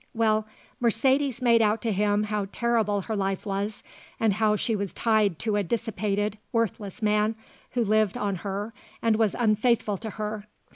Well, Mercedes made out to him how terrible her life was and how she was tied to a dissipated, worthless man who lived on her and was unfaithful to her.